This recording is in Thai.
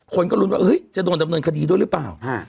คนก็ลุ้นว่าจะโดนดำเนินคดีด้วยหรือเปล่า